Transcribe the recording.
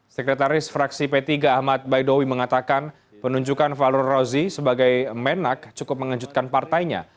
sekretaris fraksi p tiga ahmad baidowi mengatakan penunjukan fallur rozi sebagai menak cukup mengejutkan partainya